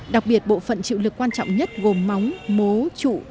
đặc biệt bộ phận chịu lực quan trọng nhất gồm móng mố trụ